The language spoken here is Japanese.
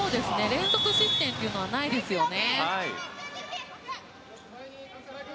連続失点というのはないですよね。